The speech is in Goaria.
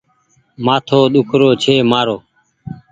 مآٿو ۮيک رو ڇي مآرو ۔